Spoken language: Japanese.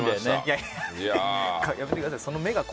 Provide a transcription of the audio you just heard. やめてください